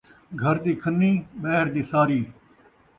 گھر دی کھنّیں ، ٻاہر دی ساری